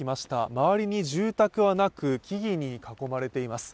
周りに住宅はなく、木々に囲まれています。